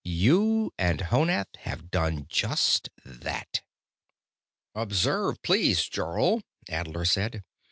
You and Honath have done just that." "Observe please, Jarl," Adler said.